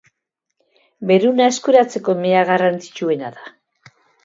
Beruna eskuratzeko mea garrantzitsuena da.